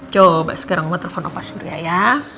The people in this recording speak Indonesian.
coba sekarang oma terpon opa surya ya